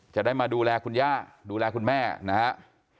จะได้มาดูแลคุณย่าดูแลคุณแม่นะครับ